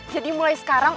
jadi mulai sekarang